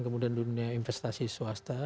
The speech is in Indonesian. kemudian dunia investasi swasta